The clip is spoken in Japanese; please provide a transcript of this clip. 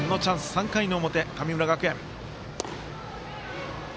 ３回の表、神村学園。